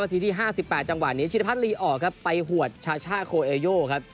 วันที่ที่ห้าสิบแปดจังหวัดชี๋นภัทรีออกครับไปหวดชาชาโคเอโยครับ